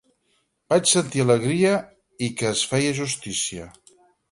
Vaig sentir alegria i que es feia justícia.